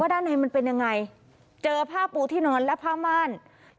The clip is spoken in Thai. ด้านในมันเป็นยังไงเจอผ้าปูที่นอนและผ้าม่าน